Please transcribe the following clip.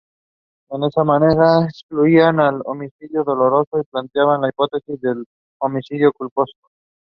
It is characterized by significantly reduced recoil.